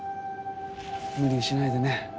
無理しないでね。